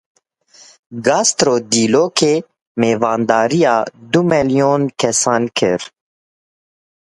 GastroDîlokê mêvandariya du milyon kesan kir.